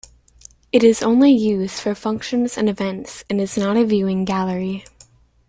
It is only used for functions and events, and is not a viewing gallery.